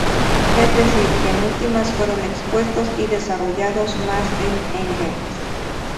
Es decir, que en últimas fueron expuestos y desarrollados más en Engels.